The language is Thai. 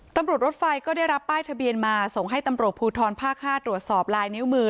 รถไฟก็ได้รับป้ายทะเบียนมาส่งให้ตำรวจภูทรภาค๕ตรวจสอบลายนิ้วมือ